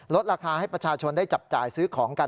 ราคาให้ประชาชนได้จับจ่ายซื้อของกัน